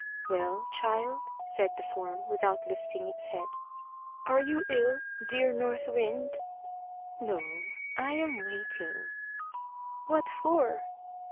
"Well, child?" said the form, without lifting its head. "Are you ill, dear North Wind?" "No. I am waiting." "What for?"